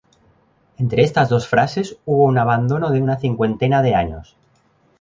Entre estas dos fases hubo un abandono de una cincuentena de años.